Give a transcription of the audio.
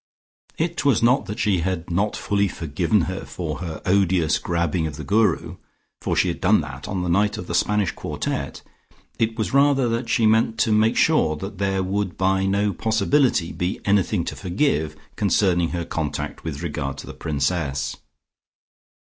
It was not that she had not fully forgiven her for her odious grabbing of the Guru, for she had done that on the night of the Spanish quartette; it was rather that she meant to make sure that there would by no possibility be anything to forgive concerning her conduct with regard to the Princess.